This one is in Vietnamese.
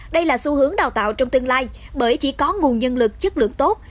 đây là xu hướng đào tạo trong tương lai bởi chỉ có nguồn nhân lực chất lượng tốt